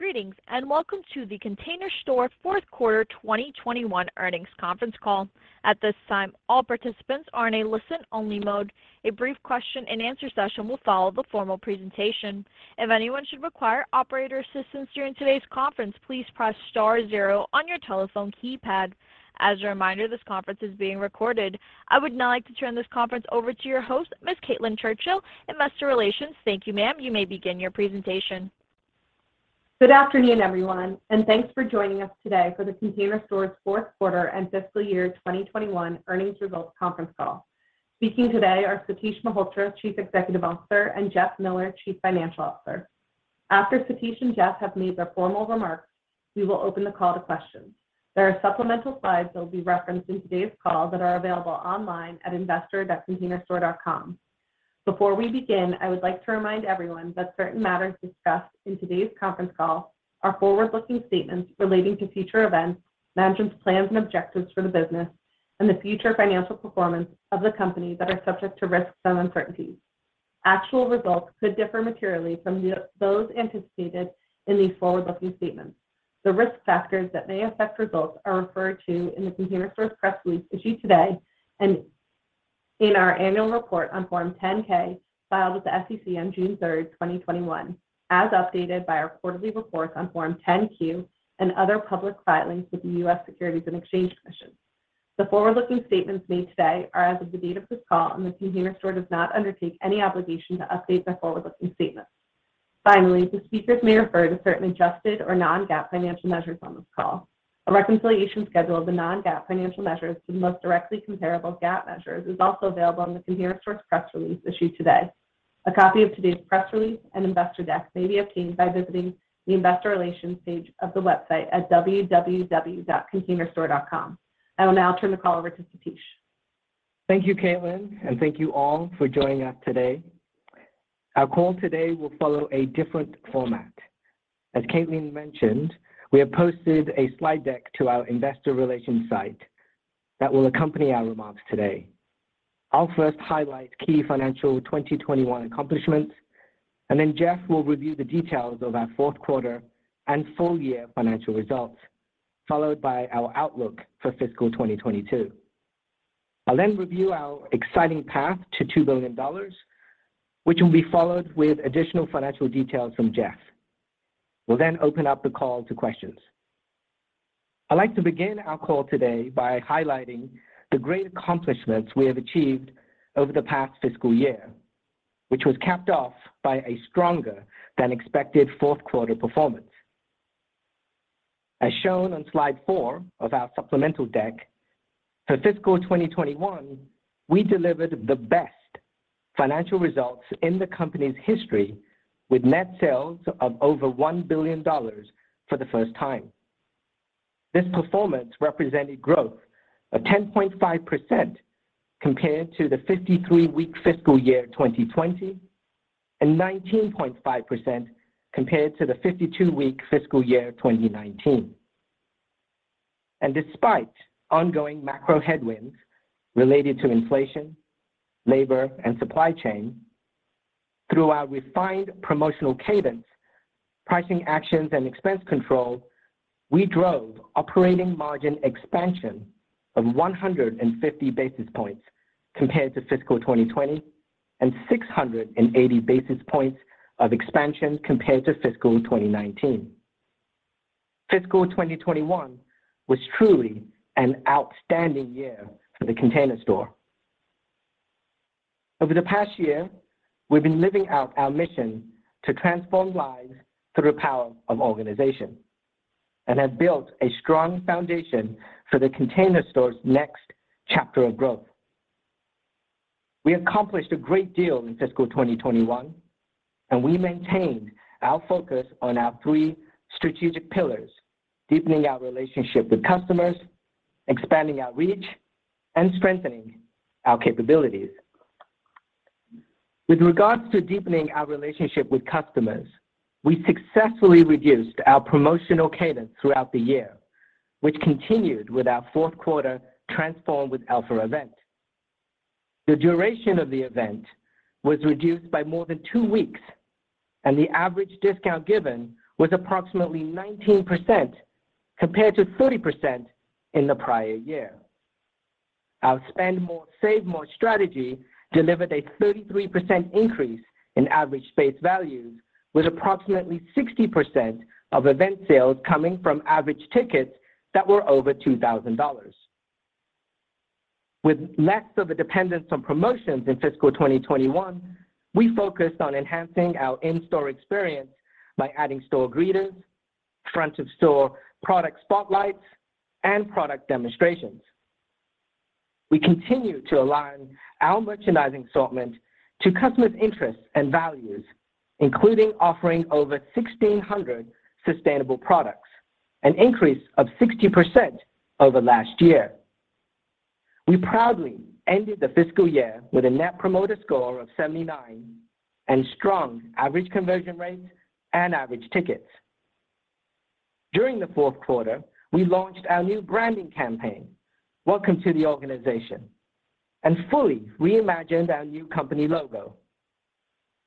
Greetings, and welcome to The Container Store fourth quarter 2021 earnings conference call. At this time, all participants are in a listen-only mode. A brief question and answer session will follow the formal presentation. If anyone should require operator assistance during today's conference, please press star zero on your telephone keypad. As a reminder, this conference is being recorded. I would now like to turn this conference over to your host, Ms. Caitlin Churchill, Investor Relations. Thank you, ma'am. You may begin your presentation. Good afternoon, everyone, and thanks for joining us today for The Container Store's fourth quarter and fiscal year 2021 earnings results conference call. Speaking today are Satish Malhotra, Chief Executive Officer, and Jeff Miller, Chief Financial Officer. After Satish and Jeff have made their formal remarks, we will open the call to questions. There are supplemental slides that will be referenced in today's call that are available online at investor.containerstore.com. Before we begin, I would like to remind everyone that certain matters discussed in today's conference call are forward-looking statements relating to future events, management's plans and objectives for the business, and the future financial performance of the company that are subject to risks and uncertainties. Actual results could differ materially from those anticipated in these forward-looking statements. The risk factors that may affect results are referred to in The Container Store's press release issued today and in our annual report on Form 10-K filed with the SEC on June 3, 2021, as updated by our quarterly reports on Form 10-Q and other public filings with the U.S. Securities and Exchange Commission. The forward-looking statements made today are as of the date of this call, and The Container Store does not undertake any obligation to update the forward-looking statements. Finally, the speakers may refer to certain adjusted or non-GAAP financial measures on this call. A reconciliation schedule of the non-GAAP financial measures to the most directly comparable GAAP measures is also available in The Container Store's press release issued today. A copy of today's press release and investor deck may be obtained by visiting the investor relations page of the website at www.containerstore.com. I will now turn the call over to Satish. Thank you, Caitlin, and thank you all for joining us today. Our call today will follow a different format. As Caitlin mentioned, we have posted a slide deck to our investor relations site that will accompany our remarks today. I'll first highlight key financial 2021 accomplishments, and then Jeff will review the details of our fourth quarter and full year financial results, followed by our outlook for fiscal 2022. I'll then review our exciting path to $2 billion, which will be followed with additional financial details from Jeff. We'll then open up the call to questions. I'd like to begin our call today by highlighting the great accomplishments we have achieved over the past fiscal year, which was capped off by a stronger than expected fourth quarter performance. As shown on slide four of our supplemental deck, for fiscal 2021, we delivered the best financial results in the company's history with net sales of over $1 billion for the first time. This performance represented growth of 10.5% compared to the 53-week fiscal year 2020, and 19.5% compared to the 52-week fiscal year 2019. Despite ongoing macro headwinds related to inflation, labor, and supply chain, through our refined promotional cadence, pricing actions, and expense control, we drove operating margin expansion of 150 basis points compared to fiscal 2020 and 680 basis points of expansion compared to fiscal 2019. Fiscal 2021 was truly an outstanding year for The Container Store. Over the past year, we've been living out our mission to transform lives through the power of organization and have built a strong foundation for The Container Store's next chapter of growth. We accomplished a great deal in fiscal 2021, and we maintained our focus on our three strategic pillars, deepening our relationship with customers, expanding our reach, and strengthening our capabilities. With regards to deepening our relationship with customers, we successfully reduced our promotional cadence throughout the year, which continued with our fourth quarter Transform with Elfa event. The duration of the event was reduced by more than two weeks, and the average discount given was approximately 19% compared to 30% in the prior year. Our spend more, save more strategy delivered a 33% increase in average base values, with approximately 60% of event sales coming from average tickets that were over $2000. With less of a dependence on promotions in fiscal 2021, we focused on enhancing our in-store experience by adding store greeters, front of store product spotlights, and product demonstrations. We continue to align our merchandising assortment to customers' interests and values, including offering over 1600 sustainable products, an increase of 60% over last year. We proudly ended the fiscal year with a Net Promoter Score of 79 and strong average conversion rates and average tickets. During the fourth quarter, we launched our new branding campaign, Welcome to The Organization, and fully reimagined our new company logo.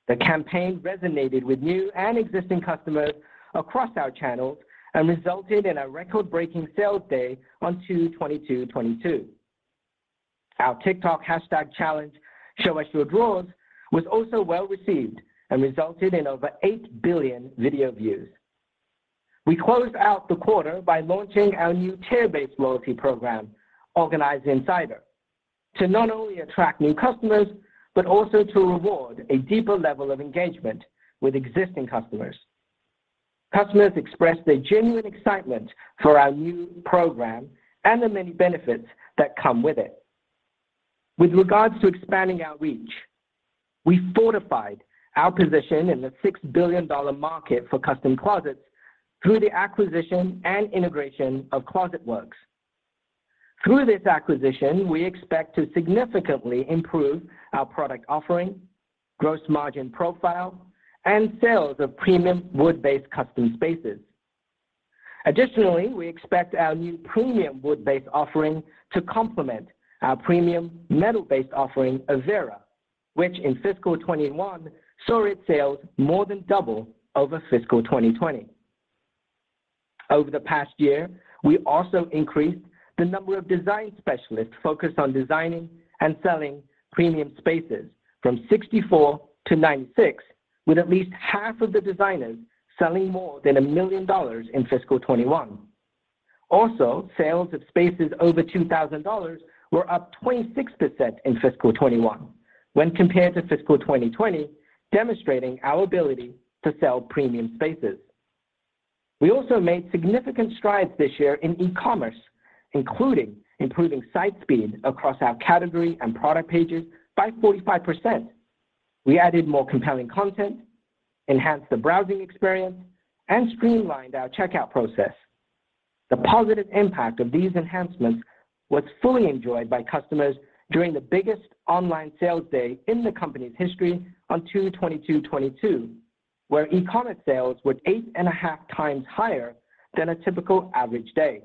The campaign resonated with new and existing customers across our channels and resulted in a record-breaking sales day on 2/22/2022. Our TikTok hashtag challenge, Show Us Your Drawers, was also well-received and resulted in over 8 billion video views. We closed out the quarter by launching our new tier-based loyalty program, Organized Insider, to not only attract new customers, but also to reward a deeper level of engagement with existing customers. Customers expressed their genuine excitement for our new program and the many benefits that come with it. With regards to expanding our reach, we fortified our position in the $6 billion market for custom closets through the acquisition and integration of Closet Works. Through this acquisition, we expect to significantly improve our product offering, gross margin profile, and sales of premium wood-based custom spaces. Additionally, we expect our new premium wood-based offering to complement our premium metal-based offering, Avera, which in fiscal 2021 saw its sales more than double over fiscal 2020. Over the past year, we also increased the number of design specialists focused on designing and selling premium spaces from 64 to 96, with at least half of the designers selling more than $1 million in fiscal 2021. Also, sales of spaces over $2,000 were up 26% in fiscal 2021 when compared to fiscal 2020, demonstrating our ability to sell premium spaces. We also made significant strides this year in e-commerce, including improving site speed across our category and product pages by 45%. We added more compelling content, enhanced the browsing experience, and streamlined our checkout process. The positive impact of these enhancements was fully enjoyed by customers during the biggest online sales day in the company's history on 2/22/2022, where e-commerce sales were 8.5x higher than a typical average day.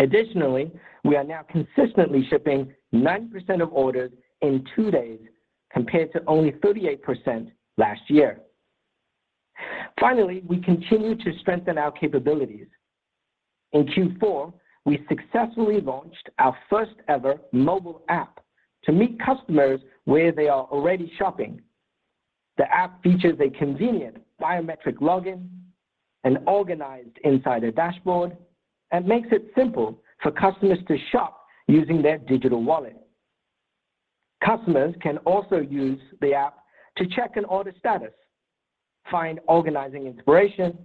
Additionally, we are now consistently shipping 90% of orders in two days compared to only 38% last year. Finally, we continue to strengthen our capabilities. In Q4, we successfully launched our first ever mobile app to meet customers where they are already shopping. The app features a convenient biometric login, an Organized Insider dashboard, and makes it simple for customers to shop using their digital wallet. Customers can also use the app to check an order status, find organizing inspiration,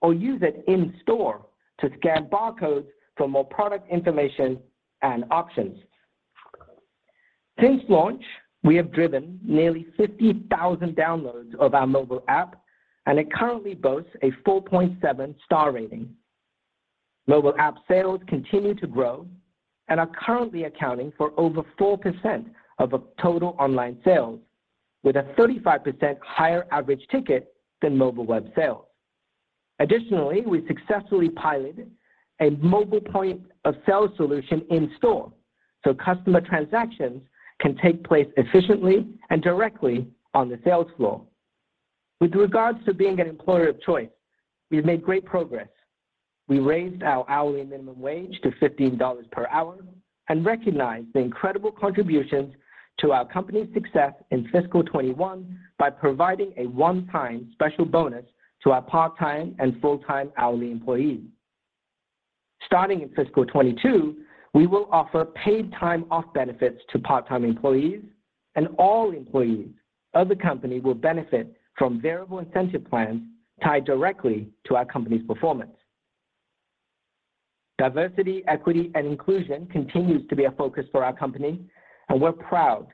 or use it in-store to scan barcodes for more product information and options. Since launch, we have driven nearly 50,000 downloads of our mobile app, and it currently boasts a 4.7 star rating. Mobile app sales continue to grow and are currently accounting for over 4% of total online sales, with a 35% higher average ticket than mobile web sales. Additionally, we successfully piloted a mobile point-of-sale solution in-store, so customer transactions can take place efficiently and directly on the sales floor. With regards to being an employer of choice, we've made great progress. We raised our hourly minimum wage to $15 per hour and recognized the incredible contributions to our company's success in fiscal 2021 by providing a one-time special bonus to our part-time and full-time hourly employees. Starting in fiscal 2022, we will offer paid time off benefits to part-time employees, and all employees of the company will benefit from variable incentive plans tied directly to our company's performance. Diversity, equity, and inclusion continues to be a focus for our company, and we're proud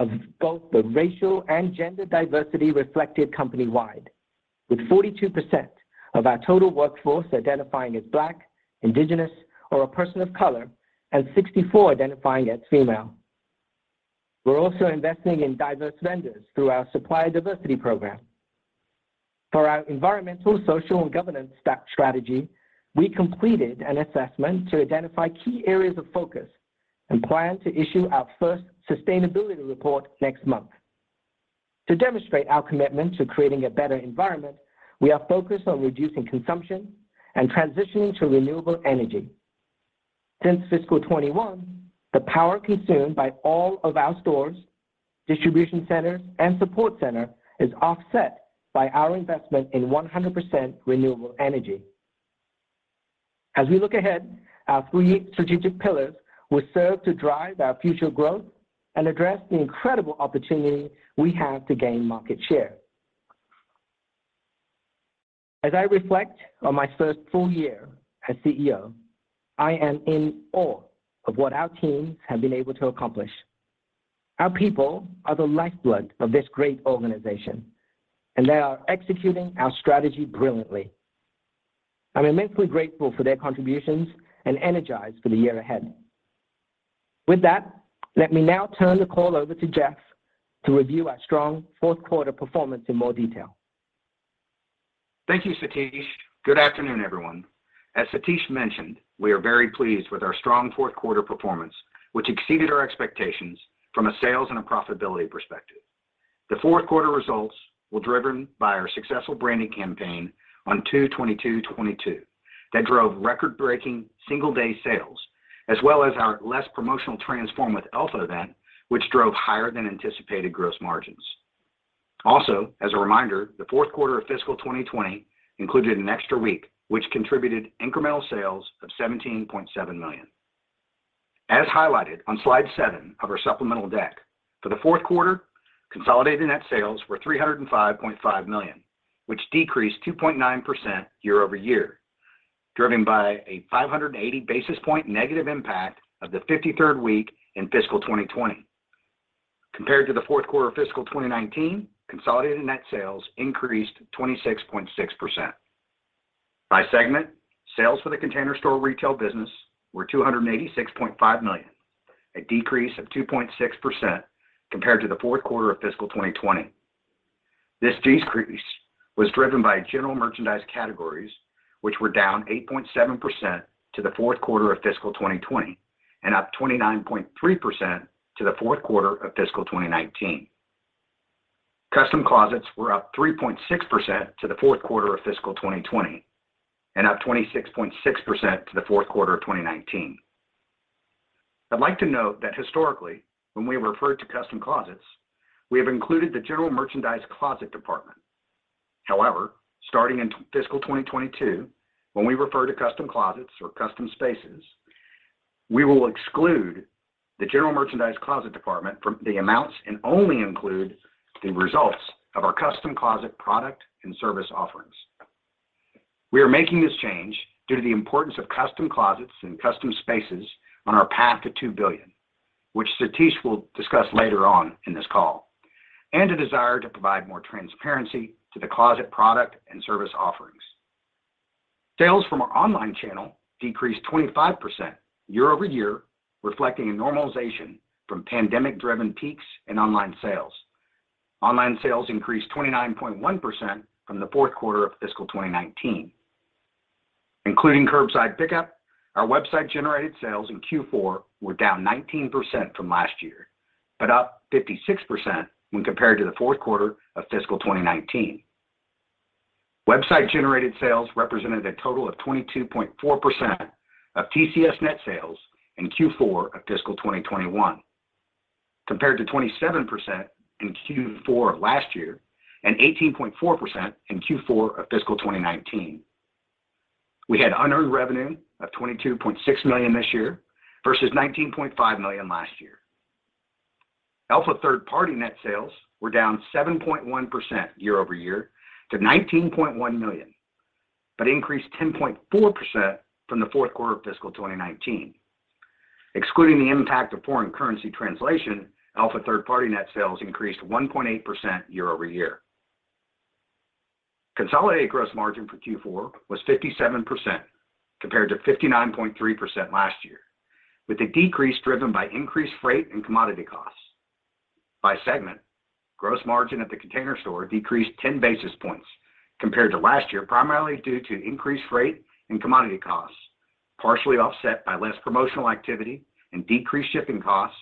of both the racial and gender diversity reflected company-wide, with 42% of our total workforce identifying as Black, Indigenous, or a person of color, and 64% identifying as female. We're also investing in diverse vendors through our Supplier Diversity Program. For our environmental, social, and governance strategy, we completed an assessment to identify key areas of focus and plan to issue our first sustainability report next month. To demonstrate our commitment to creating a better environment, we are focused on reducing consumption and transitioning to renewable energy. Since fiscal 2021, the power consumed by all of our stores, distribution centers, and support center is offset by our investment in 100% renewable energy. As we look ahead, our three strategic pillars will serve to drive our future growth and address the incredible opportunity we have to gain market share. As I reflect on my first full year as CEO, I am in awe of what our team have been able to accomplish. Our people are the lifeblood of this great organization, and they are executing our strategy brilliantly. I'm immensely grateful for their contributions and energized for the year ahead. With that, let me now turn the call over to Jeff to review our strong fourth quarter performance in more detail. Thank you, Satish. Good afternoon, everyone. As Satish mentioned, we are very pleased with our strong fourth quarter performance, which exceeded our expectations from a sales and a profitability perspective. The fourth quarter results were driven by our successful branding campaign on 2/22/2022 that drove record-breaking single-day sales, as well as our less promotional Transform with Elfa event, which drove higher than anticipated gross margins. Also, as a reminder, the fourth quarter of fiscal 2020 included an extra week, which contributed incremental sales of $17.7 million. As highlighted on slide seven of our supplemental deck, for the fourth quarter, consolidated net sales were $305.5 million, which decreased 2.9% year-over-year, driven by a 580 basis point negative impact of the 53rd week in fiscal 2020. Compared to the fourth quarter of fiscal 2019, consolidated net sales increased 26.6%. By segment, sales for The Container Store retail business were $286.5 million, a decrease of 2.6% compared to the fourth quarter of fiscal 2020. This decrease was driven by general merchandise categories, which were down 8.7% to the fourth quarter of fiscal 2020 and up 29.3% to the fourth quarter of fiscal 2019. Custom Closets were up 3.6% to the fourth quarter of fiscal 2020 and up 26.6% to the fourth quarter of 2019. I'd like to note that historically, when we have referred to Custom Closets, we have included the general merchandise closet department. However, starting in fiscal 2022, when we refer to Custom Closets or custom spaces, we will exclude the general merchandise closet department from the amounts and only include the results of our Custom Closets product and service offerings. We are making this change due to the importance of Custom Closets and custom spaces on our path to $2 billion, which Satish will discuss later on in this call, and a desire to provide more transparency to the closet product and service offerings. Sales from our online channel decreased 25% year-over-year, reflecting a normalization from pandemic-driven peaks in online sales. Online sales increased 29.1% from the fourth quarter of fiscal 2019. Including curbside pickup, our website-generated sales in Q4 were down 19% from last year but up 56% when compared to the fourth quarter of fiscal 2019. Website-generated sales represented a total of 22.4% of TCS net sales in Q4 of fiscal 2021 compared to 27% in Q4 of last year and 18.4% in Q4 of fiscal 2019. We had unearned revenue of $22.6 million this year versus $19.5 million last year. Elfa third-party net sales were down 7.1% year-over-year to $19.1 million but increased 10.4% from the fourth quarter of fiscal 2019. Excluding the impact of foreign currency translation, Elfa third-party net sales increased 1.8% year-over-year. Consolidated gross margin for Q4 was 57% compared to 59.3% last year, with the decrease driven by increased freight and commodity costs. By segment, gross margin at The Container Store decreased 10 basis points compared to last year, primarily due to increased freight and commodity costs, partially offset by less promotional activity and decreased shipping costs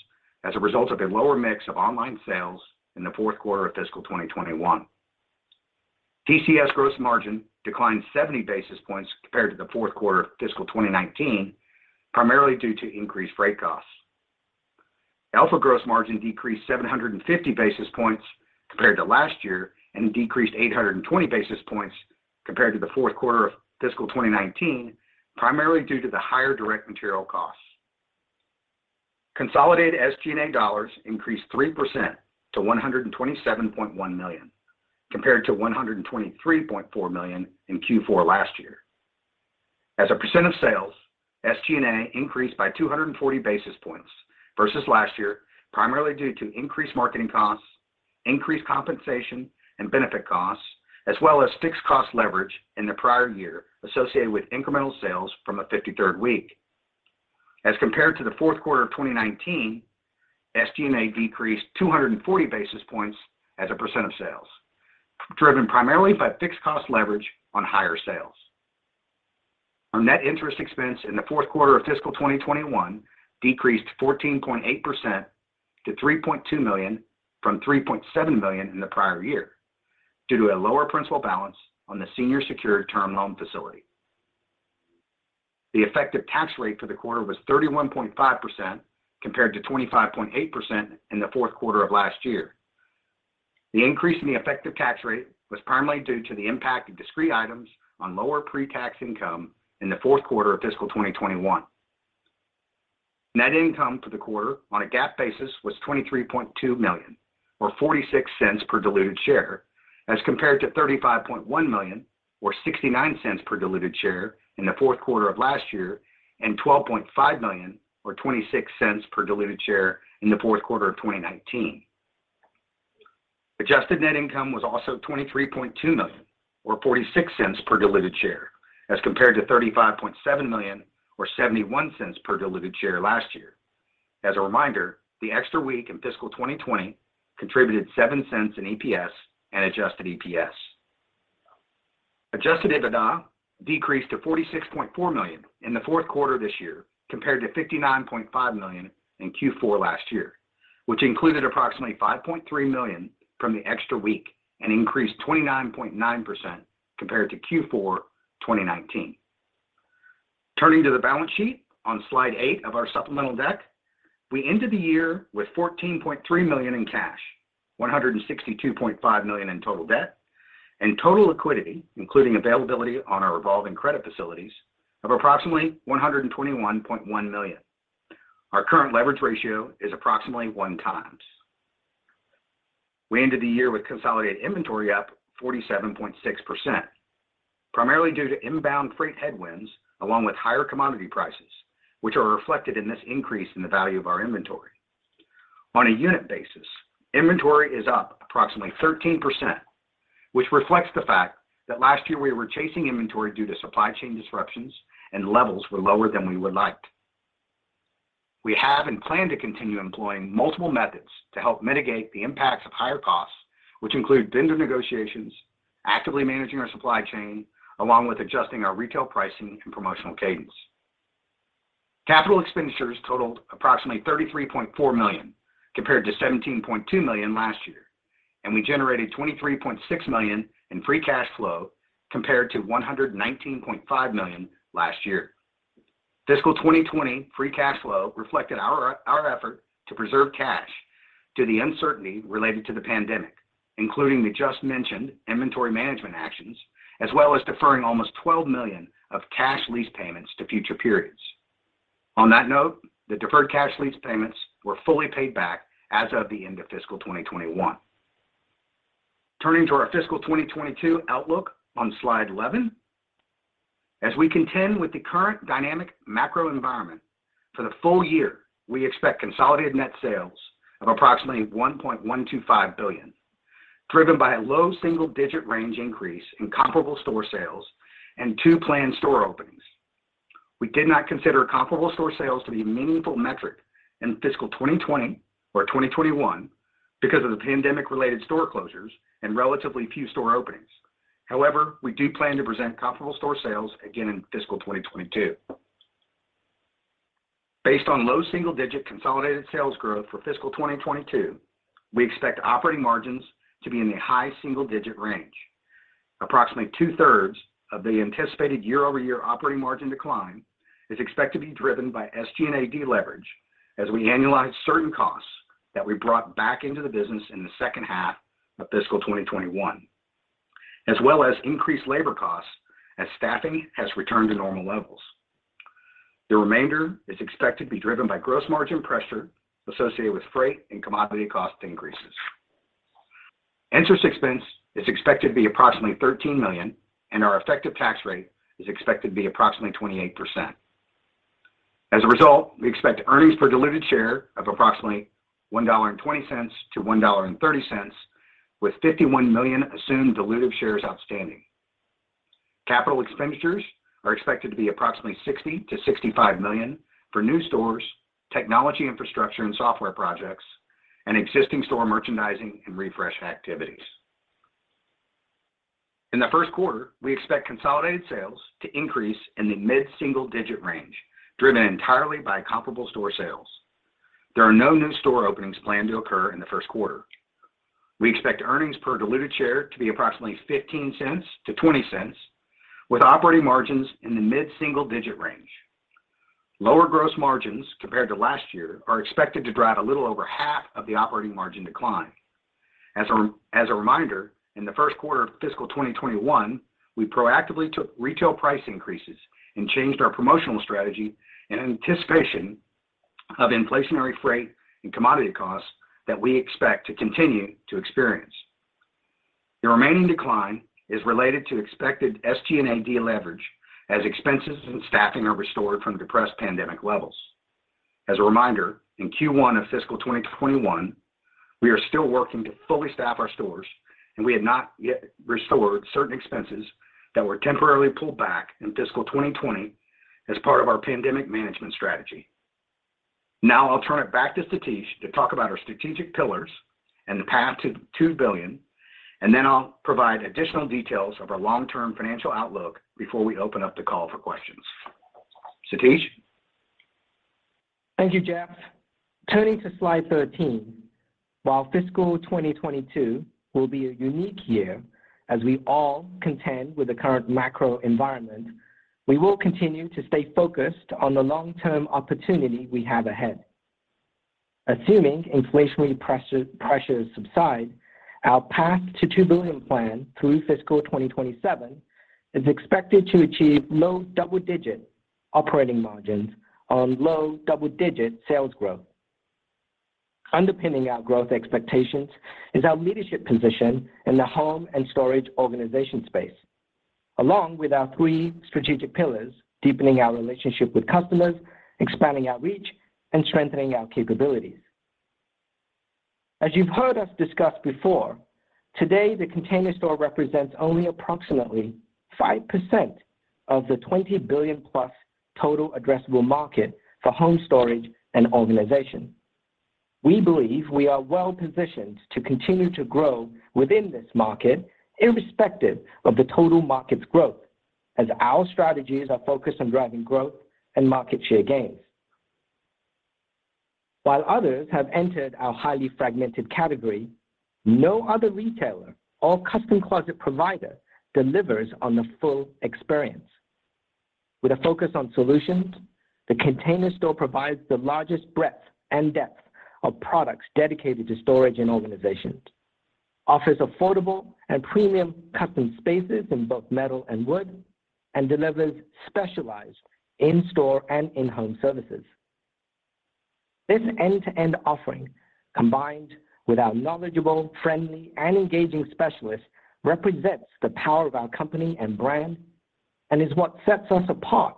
as a result of a lower mix of online sales in the fourth quarter of fiscal 2021. TCS gross margin declined 70 basis points compared to the fourth quarter of fiscal 2019, primarily due to increased freight costs. Elfa gross margin decreased 750 basis points compared to last year and decreased 820 basis points compared to the fourth quarter of fiscal 2019, primarily due to the higher direct material costs. Consolidated SG&A dollars increased 3% to $127.1 million compared to $123.4 million in Q4 last year. As a percent of sales, SG&A increased by 240 basis points versus last year, primarily due to increased marketing costs, increased compensation and benefit costs, as well as fixed cost leverage in the prior year associated with incremental sales from a fifty-third week. As compared to the fourth quarter of 2019, SG&A decreased 240 basis points as a percent of sales, driven primarily by fixed cost leverage on higher sales. Our net interest expense in the fourth quarter of fiscal 2021 decreased 14.8% to $3.2 million from $3.7 million in the prior year due to a lower principal balance on the senior secured term loan facility. The effective tax rate for the quarter was 31.5% compared to 25.8% in the fourth quarter of last year. The increase in the effective tax rate was primarily due to the impact of discrete items on lower pre-tax income in the fourth quarter of fiscal 2021. Net income for the quarter on a GAAP basis was $23.2 million or $0.46 per diluted share as compared to $35.1 million or $0.69 per diluted share in the fourth quarter of last year and $12.5 million or $0.26 per diluted share in the fourth quarter of 2019. Adjusted net income was also $23.2 million or $0.46 per diluted share as compared to $35.7 million or $0.71 per diluted share last year. As a reminder, the extra week in fiscal 2020 contributed $0.07 EPS and adjusted EPS. Adjusted EBITDA decreased to $46.4 million in the fourth quarter this year compared to $59.5 million in Q4 last year, which included approximately $5.3 million from the extra week and increased 29.9% compared to Q4 2019. Turning to the balance sheet on slide eight of our supplemental deck, we ended the year with $14.3 million in cash, $162.5 million in total debt, and total liquidity, including availability on our revolving credit facilities of approximately $121.1 million. Our current leverage ratio is approximately 1x. We ended the year with consolidated inventory up 47.6%, primarily due to inbound freight headwinds along with higher commodity prices, which are reflected in this increase in the value of our inventory. On a unit basis, inventory is up approximately 13%, which reflects the fact that last year we were chasing inventory due to supply chain disruptions and levels were lower than we would like. We have and plan to continue employing multiple methods to help mitigate the impacts of higher costs, which include vendor negotiations, actively managing our supply chain, along with adjusting our retail pricing and promotional cadence. Capital expenditures totaled approximately $33.4 million compared to $17.2 million last year, and we generated $23.6 million in free cash flow compared to $119.5 million last year. Fiscal 2020 free cash flow reflected our effort to preserve cash due to the uncertainty related to the pandemic, including the just mentioned inventory management actions, as well as deferring almost $12 million of cash lease payments to future periods. On that note, the deferred cash lease payments were fully paid back as of the end of fiscal 2021. Turning to our fiscal 2022 outlook on slide 11. As we contend with the current dynamic macro environment for the full year, we expect consolidated net sales of approximately $1.125 billion, driven by a low single-digit range increase in comparable store sales and two planned store openings. We did not consider comparable store sales to be a meaningful metric in fiscal 2020 or 2021 because of the pandemic-related store closures and relatively few store openings. However, we do plan to present comparable store sales again in fiscal 2022. Based on low single-digit consolidated sales growth for fiscal 2022, we expect operating margins to be in the high single-digit range. Approximately 2/3 of the anticipated year-over-year operating margin decline is expected to be driven by SG&A leverage as we annualize certain costs that we brought back into the business in the second half of fiscal 2021, as well as increased labor costs as staffing has returned to normal levels. The remainder is expected to be driven by gross margin pressure associated with freight and commodity cost increases. Interest expense is expected to be approximately $13 million, and our effective tax rate is expected to be approximately 28%. As a result, we expect earnings per diluted share of approximately $1.20-$1.30, with 51 million assumed diluted shares outstanding. Capital expenditures are expected to be approximately $60 million-$65 million for new stores, technology infrastructure and software projects, and existing store merchandising and refresh activities. In the first quarter, we expect consolidated sales to increase in the mid-single digit range, driven entirely by comparable store sales. There are no new store openings planned to occur in the first quarter. We expect earnings per diluted share to be approximately $0.15-$0.20, with operating margins in the mid-single digit range. Lower gross margins compared to last year are expected to drive a little over half of the operating margin decline. As a reminder, in the first quarter of fiscal 2021, we proactively took retail price increases and changed our promotional strategy in anticipation of inflationary freight and commodity costs that we expect to continue to experience. The remaining decline is related to expected SG&A leverage as expenses and staffing are restored from depressed pandemic levels. As a reminder, in Q1 of fiscal 2021, we are still working to fully staff our stores, and we have not yet restored certain expenses that were temporarily pulled back in fiscal 2020 as part of our pandemic management strategy. Now I'll turn it back to Satish to talk about our strategic pillars and the path to $2 billion, and then I'll provide additional details of our long-term financial outlook before we open up the call for questions. Satish. Thank you, Jeff. Turning to slide 13, while fiscal 2022 will be a unique year as we all contend with the current macro environment, we will continue to stay focused on the long-term opportunity we have ahead. Assuming inflationary pressures subside, our path to $2 billion plan through fiscal 2027 is expected to achieve low double-digit operating margins on low double-digit sales growth. Underpinning our growth expectations is our leadership position in the home storage and organization space. Along with our three strategic pillars, deepening our relationship with customers, expanding our reach, and strengthening our capabilities. As you've heard us discuss before, today, The Container Store represents only approximately 5% of the $20 billion-plus total addressable market for home storage and organization. We believe we are well-positioned to continue to grow within this market irrespective of the total market growth as our strategies are focused on driving growth and market share gains. While others have entered our highly fragmented category, no other retailer or custom closet provider delivers on the full experience. With a focus on solutions, The Container Store provides the largest breadth and depth of products dedicated to storage and organization, offers affordable and premium custom spaces in both metal and wood, and delivers specialized in-store and in-home services. This end-to-end offering, combined with our knowledgeable, friendly, and engaging specialists, represents the power of our company and brand and is what sets us apart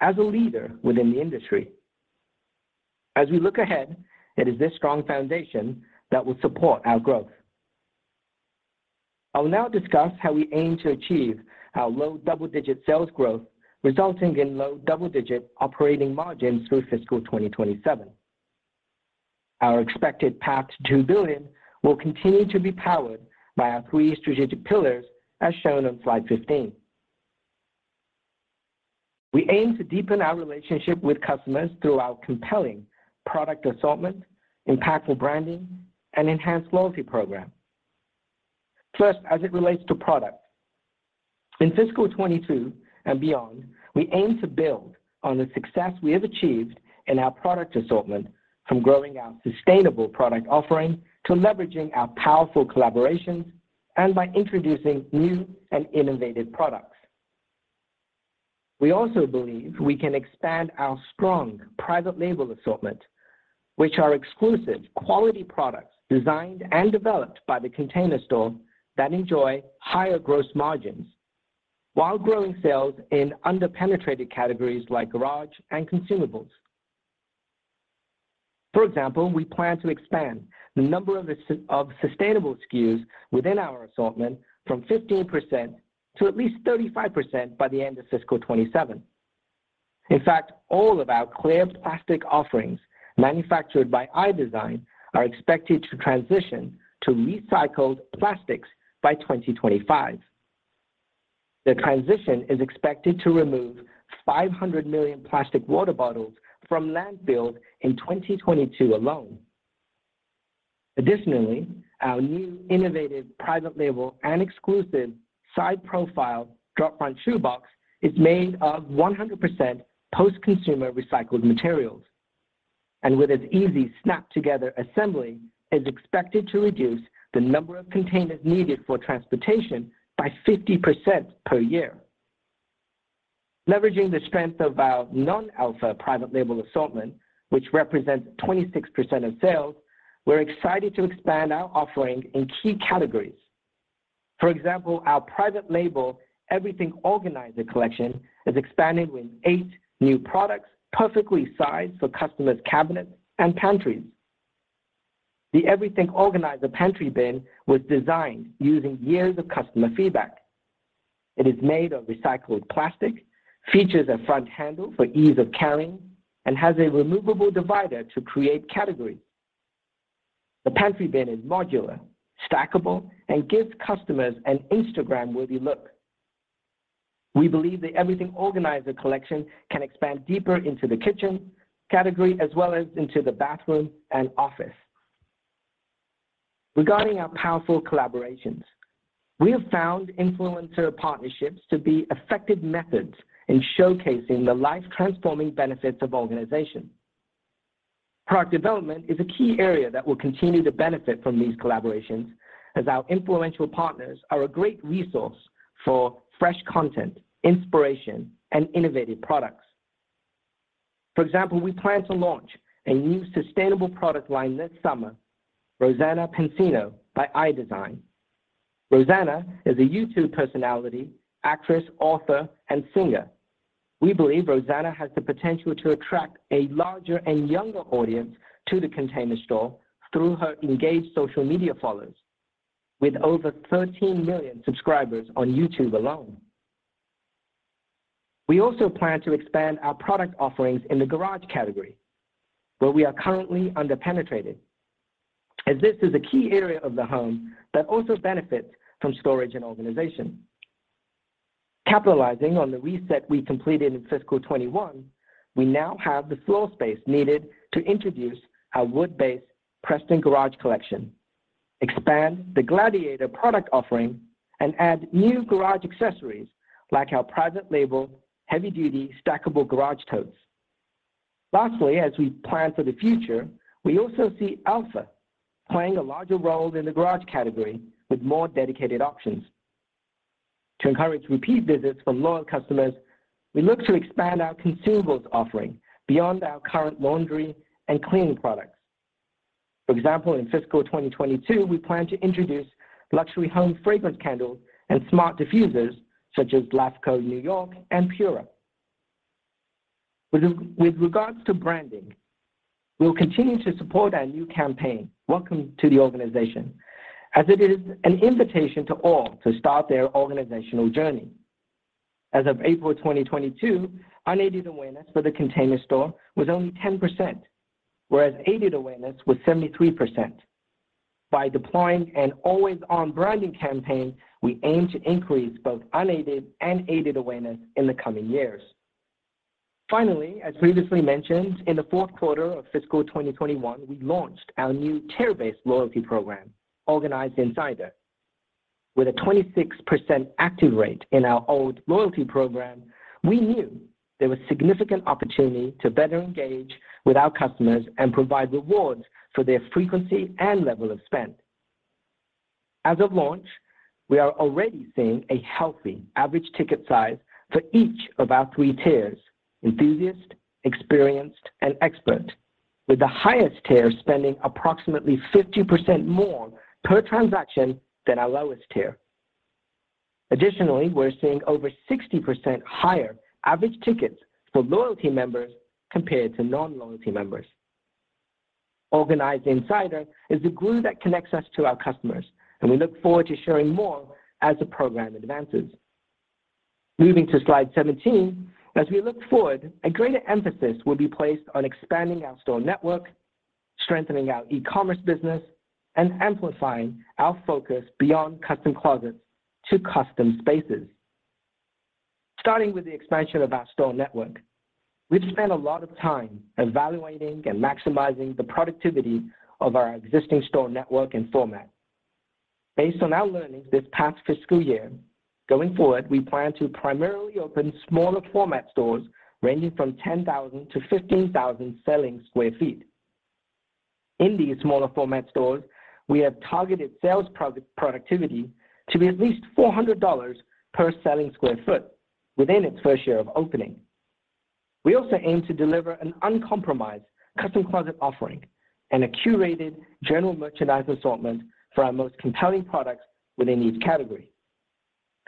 as a leader within the industry. As we look ahead, it is this strong foundation that will support our growth. I will now discuss how we aim to achieve our low double-digit sales growth, resulting in low double-digit operating margins through fiscal 2027. Our expected path to billions will continue to be powered by our three strategic pillars as shown on slide 15. We aim to deepen our relationship with customers through our compelling product assortment, impactful branding, and enhanced loyalty program. First, as it relates to product. In fiscal 2022 and beyond, we aim to build on the success we have achieved in our product assortment from growing our sustainable product offering to leveraging our powerful collaborations and by introducing new and innovative products. We also believe we can expand our strong private label assortment, which are exclusive quality products designed and developed by The Container Store that enjoy higher gross margins while growing sales in under-penetrated categories like garage and consumables. For example, we plan to expand the number of sustainable SKUs within our assortment from 15% to at least 35% by the end of fiscal 2027. In fact, all of our clear plastic offerings manufactured by iDesign are expected to transition to recycled plastics by 2025. The transition is expected to remove 500 million plastic water bottles from landfills in 2022 alone. Additionally, our new innovative private label and exclusive side profile drop-front shoebox is made of 100% post-consumer recycled materials, and with its easy snap-together assembly, is expected to reduce the number of containers needed for transportation by 50% per year. Leveraging the strength of our non-Elfa private label assortment, which represents 26% of sales, we're excited to expand our offering in key categories. For example, our private label Everything Organizer collection is expanding with eight new products perfectly sized for customers' cabinets and pantries. The Everything Organizer Pantry Bin was designed using years of customer feedback. It is made of recycled plastic, features a front handle for ease of carrying, and has a removable divider to create categories. The Pantry Bin is modular, stackable, and gives customers an Instagram-worthy look. We believe the Everything Organizer collection can expand deeper into the kitchen category as well as into the bathroom and office. Regarding our powerful collaborations, we have found influencer partnerships to be effective methods in showcasing the life-transforming benefits of organization. Product development is a key area that will continue to benefit from these collaborations as our influential partners are a great resource for fresh content, inspiration, and innovative products. For example, we plan to launch a new sustainable product line this summer, Rosanna Pansino by iDesign. Rosanna is a YouTube personality, actress, author, and singer. We believe Rosanna has the potential to attract a larger and younger audience to The Container Store through her engaged social media followers with over 13 million subscribers on YouTube alone. We also plan to expand our product offerings in the garage category, where we are currently under-penetrated, as this is a key area of the home that also benefits from storage and organization. Capitalizing on the reset we completed in fiscal 2021, we now have the floor space needed to introduce our wood-based Preston Garage collection, expand the Gladiator product offering, and add new garage accessories like our private label heavy-duty stackable garage totes. Lastly, as we plan for the future, we also see Elfa playing a larger role in the garage category with more dedicated options. To encourage repeat visits from loyal customers, we look to expand our consumables offering beyond our current laundry and cleaning products. For example, in fiscal 2022, we plan to introduce luxury home fragrance candles and smart diffusers such as LAFCO New York and Pura. With regards to branding, we'll continue to support our new campaign, Welcome to The Organization, as it is an invitation to all to start their organizational journey. As of April 2022, unaided awareness for The Container Store was only 10%, whereas aided awareness was 73%. By deploying an always-on branding campaign, we aim to increase both unaided and aided awareness in the coming years. Finally, as previously mentioned, in the fourth quarter of fiscal 2021, we launched our new tier-based loyalty program, Organized Insider. With a 26% active rate in our old loyalty program, we knew there was significant opportunity to better engage with our customers and provide rewards for their frequency and level of spend. As of launch, we are already seeing a healthy average ticket size for each of our three tiers: Enthusiast, Experienced, and Expert, with the highest tier spending approximately 50% more per transaction than our lowest tier. Additionally, we're seeing over 60% higher average tickets for loyalty members compared to non-loyalty members. Organized Insider is the glue that connects us to our customers, and we look forward to sharing more as the program advances. Moving to slide 17, as we look forward, a greater emphasis will be placed on expanding our store network, strengthening our e-commerce business, and amplifying our focus beyond Custom Closets to custom spaces. Starting with the expansion of our store network, we've spent a lot of time evaluating and maximizing the productivity of our existing store network and format. Based on our learnings this past fiscal year, going forward, we plan to primarily open smaller format stores ranging from 10,000 to 15,000 selling sq ft. In these smaller format stores, we have targeted sales productivity to be at least $400 per selling sq ft within its first year of opening. We also aim to deliver an uncompromised Custom Closet offering and a curated general merchandise assortment for our most compelling products within each category.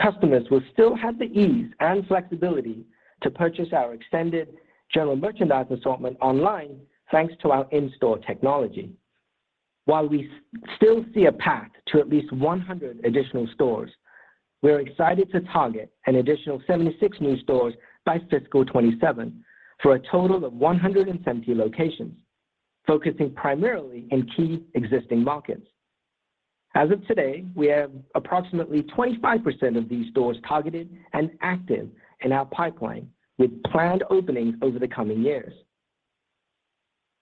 Customers will still have the ease and flexibility to purchase our extended general merchandise assortment online, thanks to our in-store technology. While we still see a path to at least 100 additional stores, we are excited to target an additional 76 new stores by fiscal 2027 for a total of 170 locations, focusing primarily in key existing markets. As of today, we have approximately 25% of these stores targeted and active in our pipeline, with planned openings over the coming years.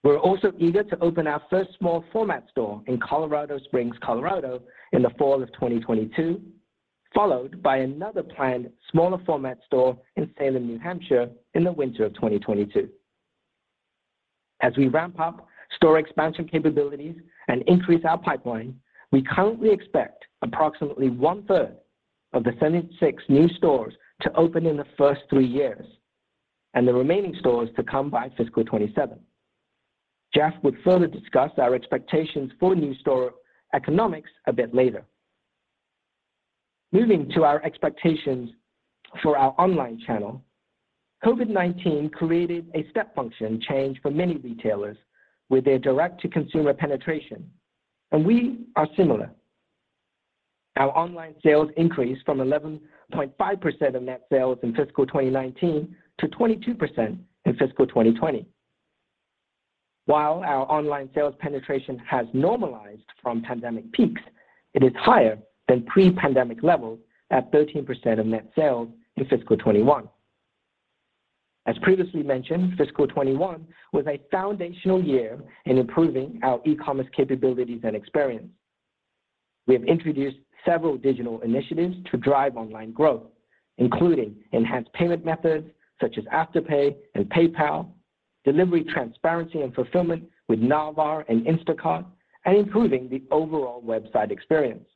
We're also eager to open our first small format store in Colorado Springs, Colorado in the fall of 2022, followed by another planned smaller format store in Salem, New Hampshire in the winter of 2022. As we ramp up store expansion capabilities and increase our pipeline, we currently expect approximately 1/3 of the 76 new stores to open in the first three years, and the remaining stores to come by fiscal 2027. Jeff will further discuss our expectations for new store economics a bit later. Moving to our expectations for our online channel, COVID-19 created a step function change for many retailers with their direct-to-consumer penetration, and we are similar. Our online sales increased from 11.5% of net sales in fiscal 2019 to 22% in fiscal 2020. While our online sales penetration has normalized from pandemic peaks, it is higher than pre-pandemic levels at 13% of net sales in fiscal 2021. As previously mentioned, fiscal 2021 was a foundational year in improving our e-commerce capabilities and experience. We have introduced several digital initiatives to drive online growth, including enhanced payment methods such as Afterpay and PayPal, delivery transparency and fulfillment with Narvar and Instacart, and improving the overall website experience.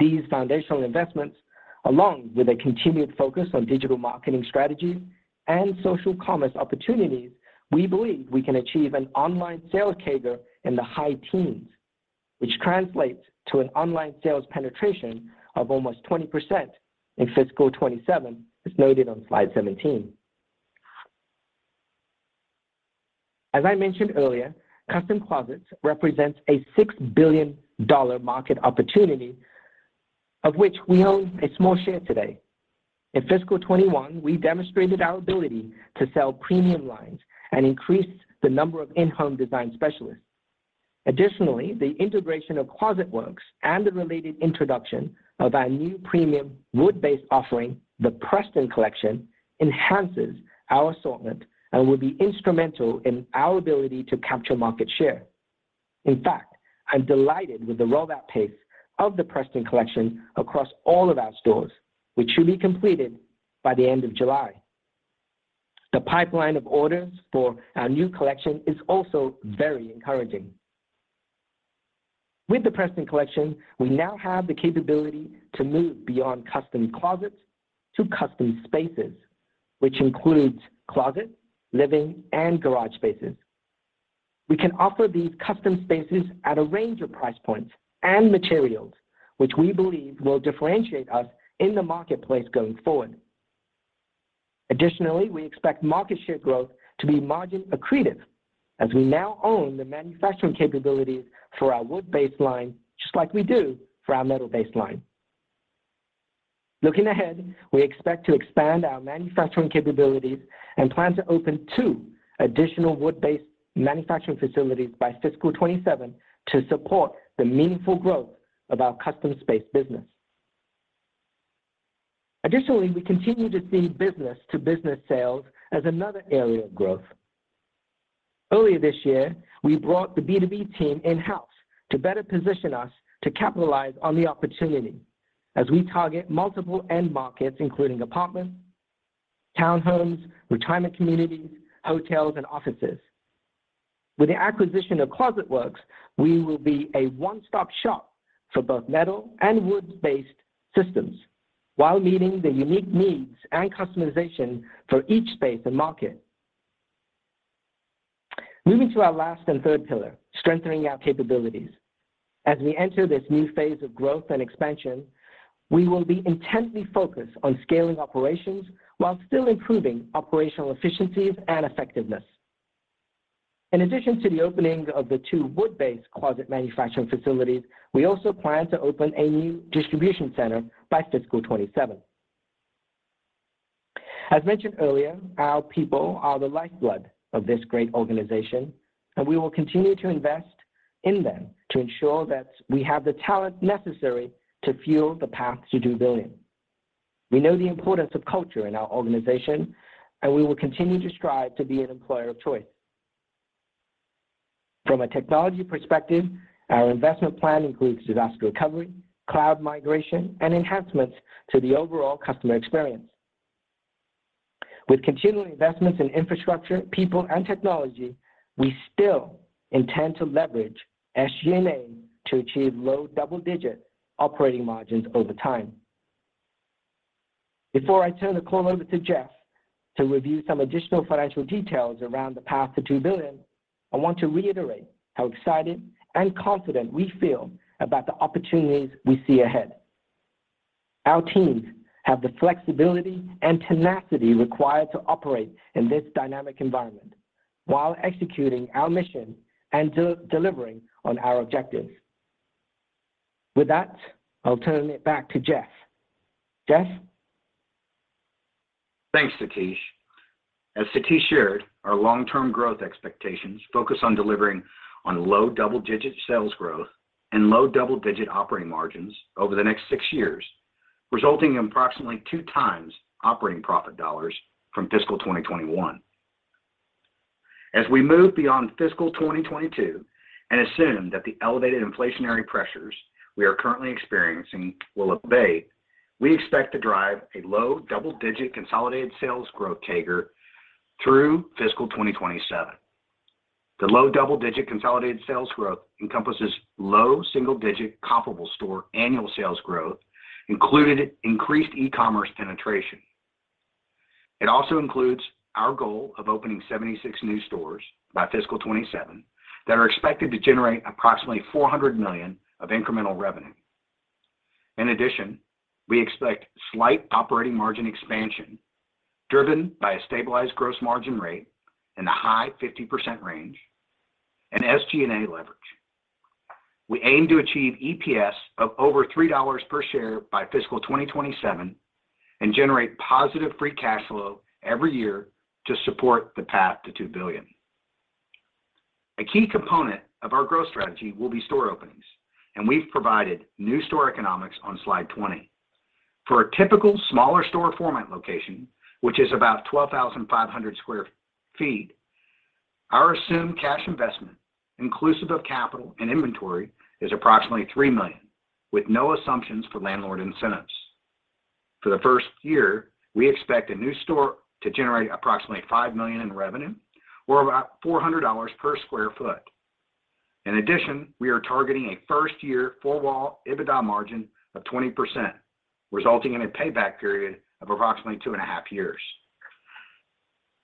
These foundational investments, along with a continued focus on digital marketing strategies and social commerce opportunities, we believe we can achieve an online sales CAGR in the high teens, which translates to an online sales penetration of almost 20% in fiscal 2027, as noted on slide 17. As I mentioned earlier, Custom Closets represents a $6 billion market opportunity, of which we own a small share today. In fiscal 2021, we demonstrated our ability to sell premium lines and increase the number of in-home design specialists. Additionally, the integration of Closet Works and the related introduction of our new premium wood-based offering, the Preston Collection, enhances our assortment and will be instrumental in our ability to capture market share. In fact, I'm delighted with the rollout pace of the Preston Collection across all of our stores, which should be completed by the end of July. The pipeline of orders for our new collection is also very encouraging. With the Preston Collection, we now have the capability to move beyond Custom Closets to custom spaces which includes closet, living, and garage spaces. We can offer these custom spaces at a range of price points and materials, which we believe will differentiate us in the marketplace going forward. Additionally, we expect market share growth to be margin accretive as we now own the manufacturing capabilities for our wood-based line, just like we do for our metal-based line. Looking ahead, we expect to expand our manufacturing capabilities and plan to open two additional wood-based manufacturing facilities by fiscal 2027 to support the meaningful growth of our custom space business. Additionally, we continue to see business-to-business sales as another area of growth. Earlier this year, we brought the B2B team in-house to better position us to capitalize on the opportunity as we target multiple end markets, including apartments, townhomes, retirement communities, hotels, and offices. With the acquisition of Closet Works, we will be a one-stop shop for both metal and wood-based systems while meeting the unique needs and customization for each space and market. Moving to our last and third pillar, strengthening our capabilities. As we enter this new phase of growth and expansion, we will be intently focused on scaling operations while still improving operational efficiencies and effectiveness. In addition to the opening of the two wood-based closet manufacturing facilities, we also plan to open a new distribution center by fiscal 2027. As mentioned earlier, our people are the lifeblood of this great organization, and we will continue to invest in them to ensure that we have the talent necessary to fuel the path to $2 billion. We know the importance of culture in our organization, and we will continue to strive to be an employer of choice. From a technology perspective, our investment plan includes disaster recovery, cloud migration, and enhancements to the overall customer experience. With continual investments in infrastructure, people, and technology, we still intend to leverage SG&A to achieve low double-digit operating margins over time. Before I turn the call over to Jeff to review some additional financial details around the path to $2 billion, I want to reiterate how excited and confident we feel about the opportunities we see ahead. Our teams have the flexibility and tenacity required to operate in this dynamic environment while executing our mission and delivering on our objectives. With that, I'll turn it back to Jeff. Jeff? Thanks, Satish. As Satish shared, our long-term growth expectations focus on delivering on low double-digit sales growth and low double-digit operating margins over the next six years, resulting in approximately 2x operating profit dollars from fiscal 2021. As we move beyond fiscal 2022 and assume that the elevated inflationary pressures we are currently experiencing will abate, we expect to drive a low double-digit consolidated sales growth CAGR through fiscal 2027. The low double-digit consolidated sales growth encompasses low single-digit comparable store annual sales growth, including increased e-commerce penetration. It also includes our goal of opening 76 new stores by fiscal 2027 that are expected to generate approximately $400 million of incremental revenue. In addition, we expect slight operating margin expansion driven by a stabilized gross margin rate in the high 50% range and SG&A leverage. We aim to achieve EPS of over $3 per share by fiscal 2027 and generate positive free cash flow every year to support the path to $2 billion. A key component of our growth strategy will be store openings, and we've provided new store economics on slide 20. For a typical smaller store format location, which is about 12,500 sq ft, our assumed cash investment, inclusive of capital and inventory, is approximately $3 million with no assumptions for landlord incentives. For the first year, we expect a new store to generate approximately $5 million in revenue, or about $400 per sq ft. In addition, we are targeting a first-year four-wall EBITDA margin of 20%, resulting in a payback period of approximately 2.5 years.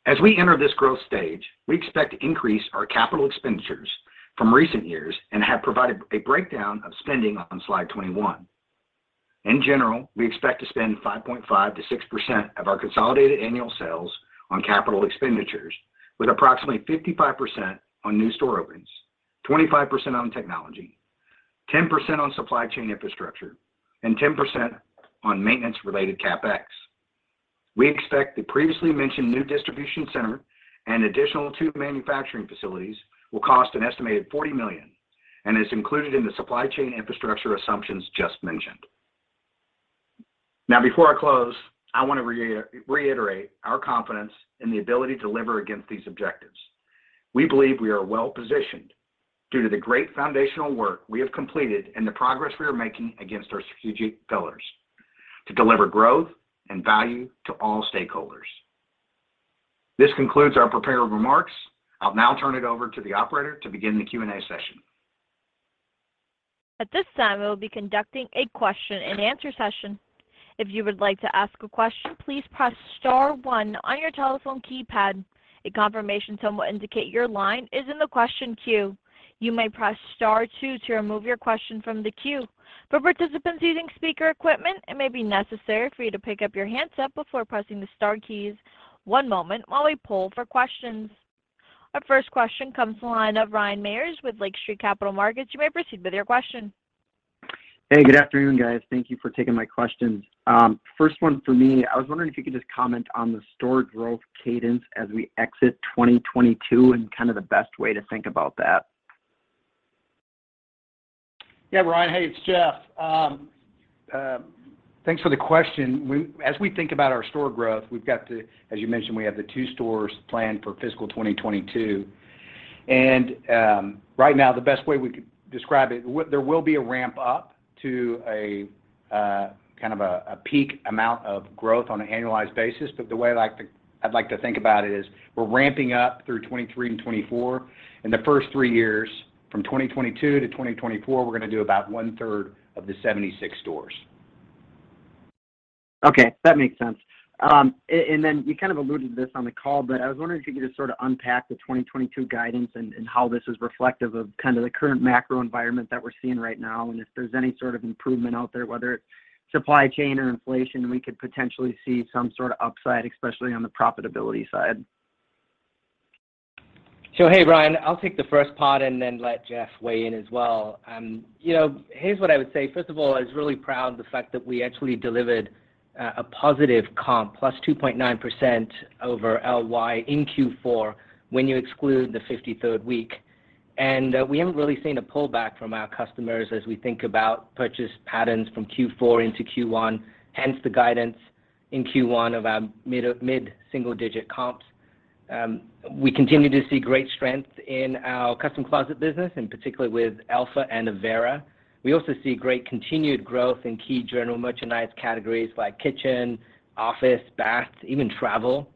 As we enter this growth stage, we expect to increase our capital expenditures from recent years and have provided a breakdown of spending on slide 21. In general, we expect to spend 5.5%-6% of our consolidated annual sales on capital expenditures, with approximately 55% on new store openings, 25% on technology, 10% on supply chain infrastructure, and 10% on maintenance-related CapEx. We expect the previously mentioned new distribution center and additional two manufacturing facilities will cost an estimated $40 million and is included in the supply chain infrastructure assumptions just mentioned. Now, before I close, I want to reiterate our confidence in the ability to deliver against these objectives. We believe we are well-positioned due to the great foundational work we have completed and the progress we are making against our strategic pillars to deliver growth and value to all stakeholders. This concludes our prepared remarks. I'll now turn it over to the operator to begin the Q&A session. At this time, we will be conducting a question and answer session. If you would like to ask a question, please press star one on your telephone keypad. A confirmation tone will indicate your line is in the question queue. You may press star two to remove your question from the queue. For participants using speaker equipment, it may be necessary for you to pick up your handset before pressing the star keys. One moment while we poll for questions. Our first question comes from the line of Ryan Meyers with Lake Street Capital Markets. You may proceed with your question. Hey, good afternoon, guys. Thank you for taking my questions. First one for me, I was wondering if you could just comment on the store growth cadence as we exit 2022 and kind of the best way to think about that. Yeah, Ryan. Hey, it's Jeff. Thanks for the question. As we think about our store growth, we've got the, as you mentioned, we have the two stores planned for fiscal 2022. Right now the best way we could describe it, there will be a ramp up to a kind of a peak amount of growth on an annualized basis. The way I'd like to think about it is we're ramping up through 2023 and 2024. In the first three years, from 2022 to 2024, we're gonna do about one-third of the 76 stores. Okay. That makes sense. You kind of alluded to this on the call, but I was wondering if you could just sort of unpack the 2022 guidance and how this is reflective of kind of the current macro environment that we're seeing right now and if there's any sort of improvement out there, whether supply chain or inflation we could potentially see some sort of upside, especially on the profitability side. Hey, Ryan. I'll take the first part and then let Jeff weigh in as well. Here's what I would say. First of all, I was really proud of the fact that we actually delivered a positive comp, +2.9% over LY in Q4 when you exclude the 53rd week. We haven't really seen a pullback from our customers as we think about purchase patterns from Q4 into Q1, hence the guidance in Q1 of our mid-single-digit comps. We continue to see great strength in our Custom Closets business, in particular with Elfa and Avera. We also see great continued growth in key general merchandise categories like kitchen, office, bath, even travel.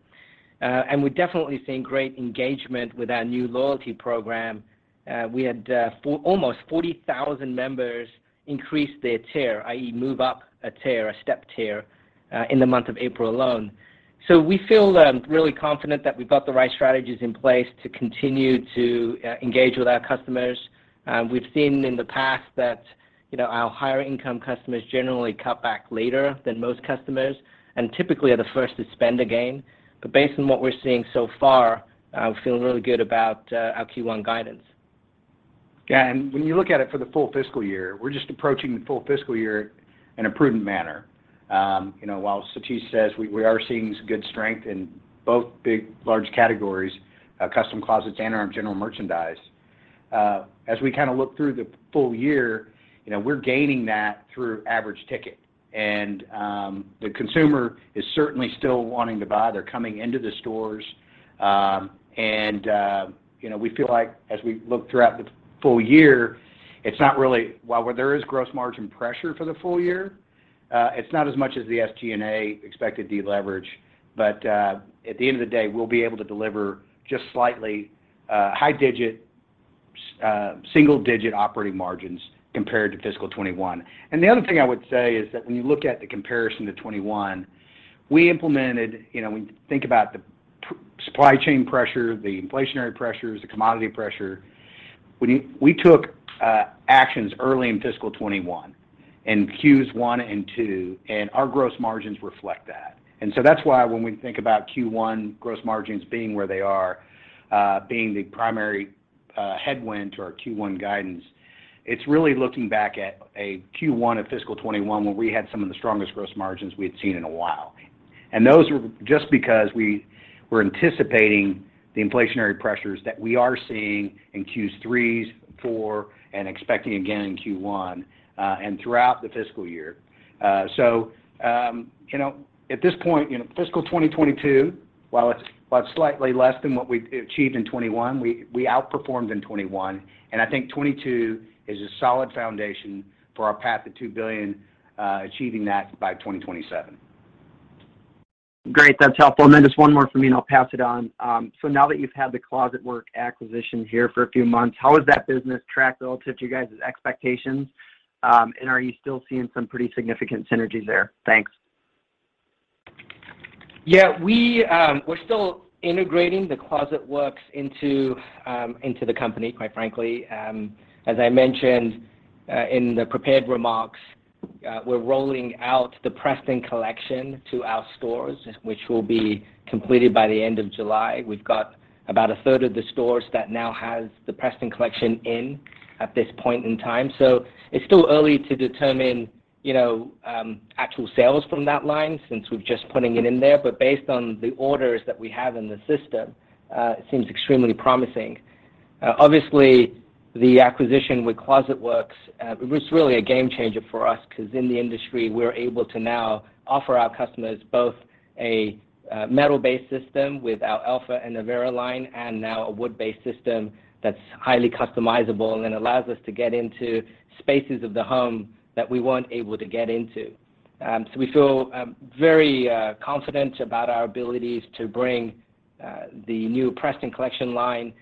We're definitely seeing great engagement with our new loyalty program. We had almost 40,000 members increase their tier, i.e., move up a tier, a step tier, in the month of April alone. We feel really confident that we've got the right strategies in place to continue to engage with our customers. We've seen in the past that, you know, our higher income customers generally cut back later than most customers and typically are the first to spend again. Based on what we're seeing so far, we feel really good about our Q1 guidance. Yeah. When you look at it for the full fiscal year, we're just approaching the full fiscal year in a prudent manner. You know, while Satish says we are seeing some good strength in both big, large categories, Custom Closets and our general merchandise, as we kinda look through the full year, you know, we're gaining that through average ticket. The consumer is certainly still wanting to buy. They're coming into the stores. You know, we feel like as we look throughout the full year, it's not really. While there is gross margin pressure for the full year, it's not as much as the SG&A expected deleverage. At the end of the day, we'll be able to deliver just slightly high single-digit operating margins compared to fiscal 2021. The other thing I would say is that when you look at the comparison to 2021, we implemented. You know, when you think about the supply chain pressure, the inflationary pressures, the commodity pressure, we took actions early in fiscal 2021 in Q1 and Q2, and our gross margins reflect that. So that's why when we think about Q1 gross margins being where they are, being the primary headwind to our Q1 guidance, it's really looking back at a Q1 of fiscal 2021 when we had some of the strongest gross margins we had seen in a while. Those were just because we were anticipating the inflationary pressures that we are seeing in Q3 and Q4, and expecting again in Q1 and throughout the fiscal year. you know, at this point, you know, fiscal 2022, while it's slightly less than what we achieved in 2021, we outperformed in 2021, and I think 2022 is a solid foundation for our path to $2 billion, achieving that by 2027. Great. That's helpful. Then just one more from me, and I'll pass it on. Now that you've had the Closet Works acquisition here for a few months, how has that business tracked relative to you guys' expectations, and are you still seeing some pretty significant synergies there? Thanks. Yeah. We're still integrating the Closet Works into the company, quite frankly. As I mentioned in the prepared remarks, we're rolling out the Preston Collection to our stores, which will be completed by the end of July. We've got about a third of the stores that now has the Preston Collection in at this point in time. It's still early to determine, you know, actual sales from that line since we're just putting it in there. Based on the orders that we have in the system, it seems extremely promising. Obviously the acquisition with Closet Works was really a game changer for us because in the industry, we're able to now offer our customers both a metal-based system with our Elfa and Avera line and now a wood-based system that's highly customizable and allows us to get into spaces of the home that we weren't able to get into. We feel very confident about our abilities to bring the new Preston collection line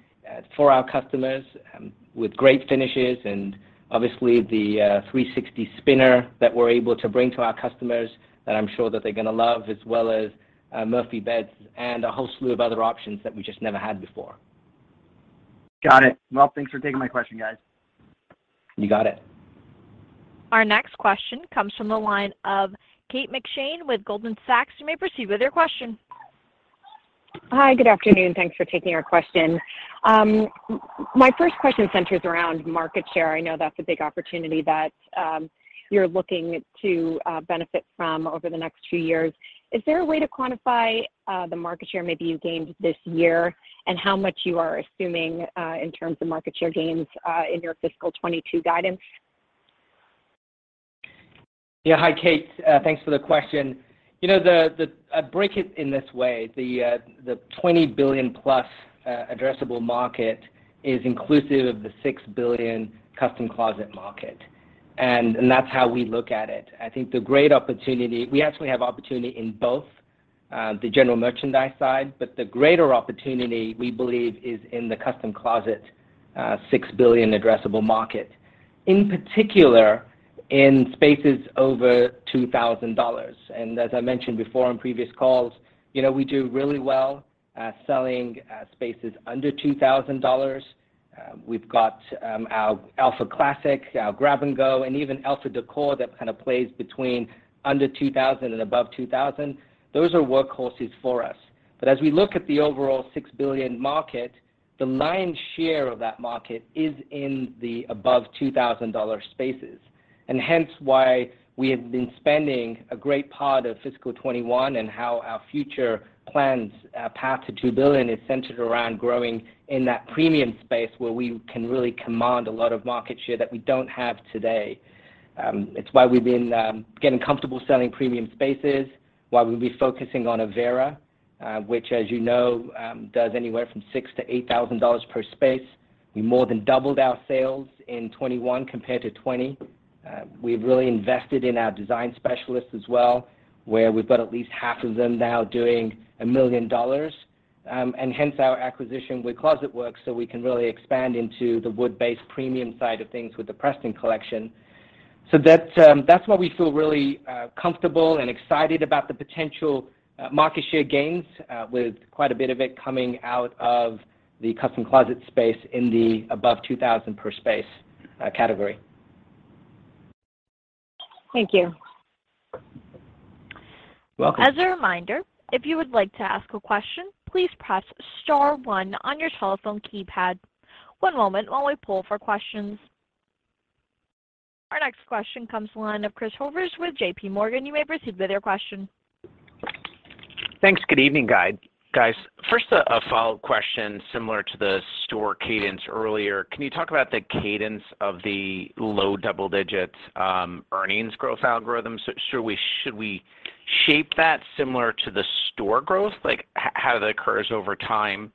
for our customers with great finishes and obviously the 360 spinner that we're able to bring to our customers that I'm sure that they're gonna love, as well as Murphy beds and a whole slew of other options that we just never had before. Got it. Well, thanks for taking my question, guys. You got it. Our next question comes from the line of Kate McShane with Goldman Sachs. You may proceed with your question. Hi. Good afternoon. Thanks for taking our question. My first question centers around market share. I know that's a big opportunity that you're looking to benefit from over the next two years. Is there a way to quantify the market share maybe you gained this year and how much you are assuming in terms of market share gains in your fiscal 2022 guidance? Yeah. Hi, Kate. Thanks for the question. You know, I break it in this way, the $20 billion plus addressable market is inclusive of the $6 billion custom closet market, and that's how we look at it. I think the great opportunity. We actually have opportunity in both the general merchandise side, but the greater opportunity, we believe, is in the custom closet $6 billion addressable market, in particular in spaces over $2,000. As I mentioned before on previous calls, you know, we do really well selling spaces under $2,000. We've got our Elfa Classic, our Elfa Grab & Go, and even Elfa Décor that kind of plays between under $2,000 and above $2,000. Those are workhorses for us. As we look at the overall $6 billion market, the lion's share of that market is in the above $2,000 spaces, and hence why we have been spending a great part of fiscal 2021 and how our future plans, path to $2 billion is centered around growing in that premium space where we can really command a lot of market share that we don't have today. It's why we've been getting comfortable selling premium spaces, why we'll be focusing on Avera, which as you know, does anywhere from $6,000-$8,000 per space. We more than doubled our sales in 2021 compared to 2020. We've really invested in our design specialists as well, where we've got at least half of them now doing $1 million, and hence our acquisition with Closet Works, so we can really expand into the wood-based premium side of things with the Preston Collection. That's why we feel really comfortable and excited about the potential market share gains, with quite a bit of it coming out of the custom closet space in the above $2,000 per space category. Thank you. You're welcome. As a reminder, if you would like to ask a question, please press star one on your telephone keypad. One moment while we poll for questions. Our next question comes from the line of Christopher Horvers with J.P. Morgan. You may proceed with your question. Thanks. Good evening, guys. First, a follow-up question similar to the store cadence earlier. Can you talk about the cadence of the low double digits, earnings growth algorithm? Should we shape that similar to the store growth? Like, how that occurs over time,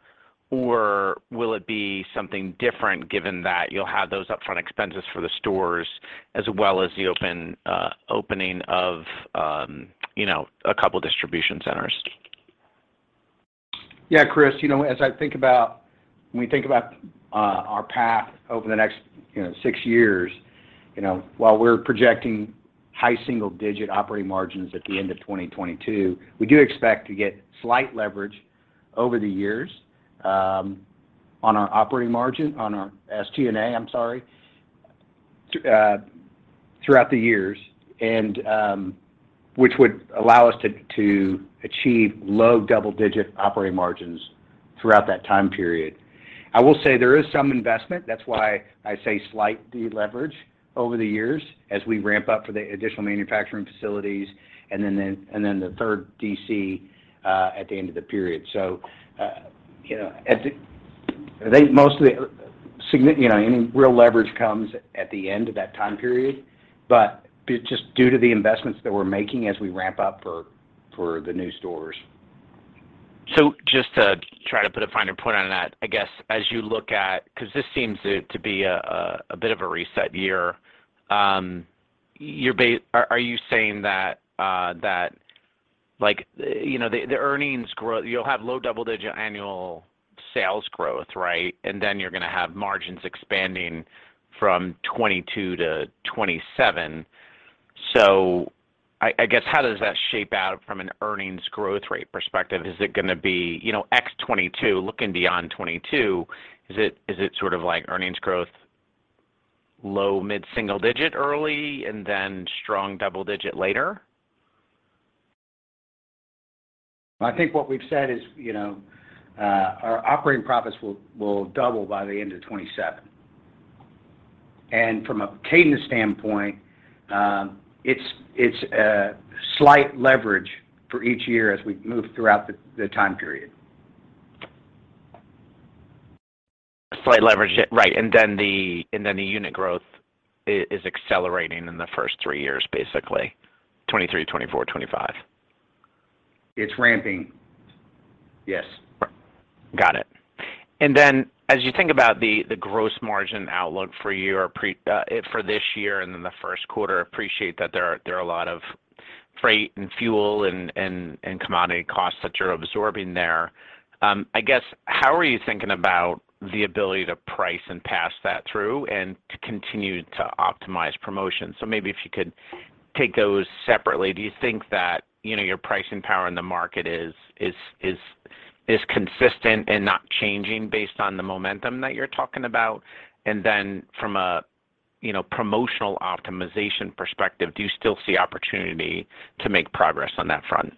or will it be something different given that you'll have those upfront expenses for the stores as well as the opening of, you know, a couple distribution centers? Yeah. Chris, you know, as I think about when we think about our path over the next, you know, six years, you know, while we're projecting high single-digit operating margins at the end of 2022, we do expect to get slight leverage over the years on our operating margin, on our SG&A, I'm sorry, throughout the years and which would allow us to achieve low double-digit operating margins throughout that time period. I will say there is some investment. That's why I say slight deleverage over the years as we ramp up for the additional manufacturing facilities and then the third DC at the end of the period. I think most of the, you know, any real leverage comes at the end of that time period, but just due to the investments that we're making as we ramp up for the new stores. Just to try to put a finer point on that, I guess, as you look at 'cause this seems to be a bit of a reset year, are you saying that, like, you know, the earnings you'll have low double-digit annual sales growth, right? Then you're gonna have margins expanding from 2022 to 2027. I guess, how does that shape out from an earnings growth rate perspective? Is it gonna be, you know, ex-2022, looking beyond 2022, is it sort of like earnings growth low mid-single-digit early and then strong double-digit later? I think what we've said is, you know, our operating profits will double by the end of 2027. From a cadence standpoint, it's a slight leverage for each year as we move throughout the time period. Slight leverage. Yeah. Right. The unit growth is accelerating in the first three years, basically, 2023, 2024, 2025? It's ramping, yes. Got it. Then as you think about the gross margin outlook for this year and in the first quarter, appreciate that there are a lot of freight and fuel and commodity costs that you're absorbing there. I guess, how are you thinking about the ability to price and pass that through and to continue to optimize promotions? Maybe if you could take those separately. Do you think that, you know, your pricing power in the market is consistent and not changing based on the momentum that you're talking about? From a, you know, promotional optimization perspective, do you still see opportunity to make progress on that front?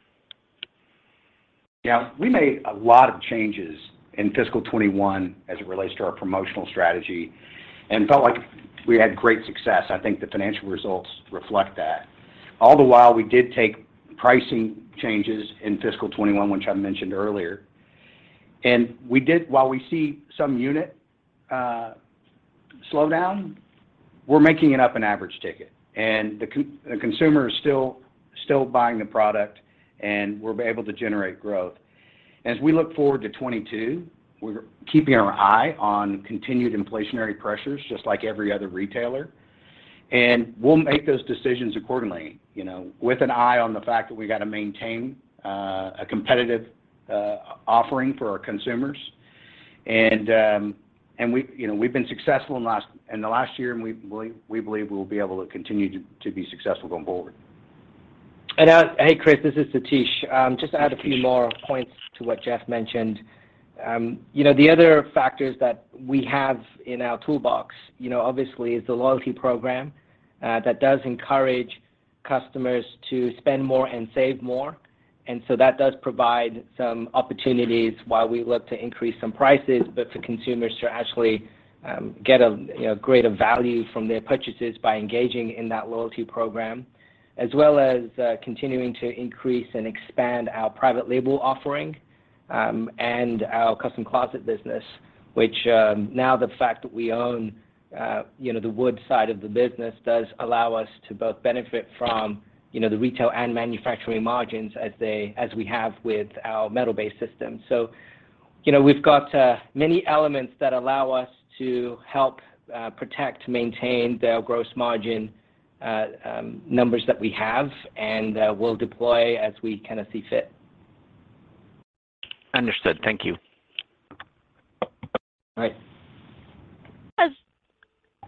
Yeah. We made a lot of changes in fiscal 2021 as it relates to our promotional strategy and felt like we had great success. I think the financial results reflect that. All the while, we did take pricing changes in fiscal 2021, which I mentioned earlier. While we see some unit slowdown, we're making it up in average ticket. The consumer is still buying the product, and we're able to generate growth. As we look forward to 2022, we're keeping our eye on continued inflationary pressures just like every other retailer. We'll make those decisions accordingly, you know, with an eye on the fact that we gotta maintain a competitive offering for our consumers. We, you know, we've been successful in the last year, and we believe we'll be able to continue to be successful going forward. Hey, Chris, this is Satish. Just to add a few more points to what Jeff mentioned. You know, the other factors that we have in our toolbox, you know, obviously is the loyalty program that does encourage customers to spend more and save more. That does provide some opportunities while we look to increase some prices, but for consumers to actually get a, you know, greater value from their purchases by engaging in that loyalty program. As well as continuing to increase and expand our private label offering and our Custom Closets business, which now the fact that we own, you know, the wood side of the business does allow us to both benefit from, you know, the retail and manufacturing margins as we have with our metal-based system. You know, we've got many elements that allow us to help protect, maintain the gross margin numbers that we have and we'll deploy as we kind of see fit. Understood. Thank you. All right.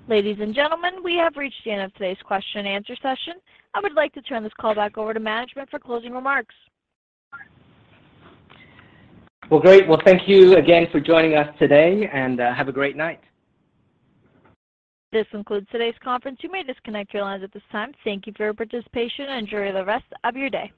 Ladies and gentlemen, we have reached the end of today's question and answer session. I would like to turn this call back over to management for closing remarks. Well, great. Well, thank you again for joining us today, and have a great night. This concludes today's conference. You may disconnect your lines at this time. Thank you for your participation. Enjoy the rest of your day.